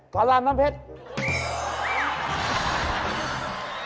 ก๊ารามน้ำเพชม์